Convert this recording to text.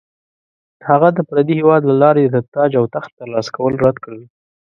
هغه د پردي هیواد له لارې د تاج او تخت ترلاسه کول رد کړل.